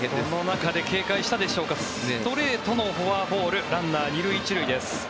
その中で警戒したでしょうかストレートのフォアボールランナー１塁２塁です。